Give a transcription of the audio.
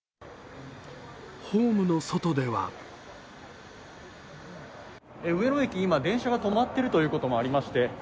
ホームの外では上野駅、今、電車が止まってるということもありまして